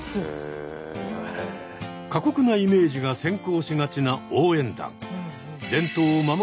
過酷なイメージが先行しがちな応援団。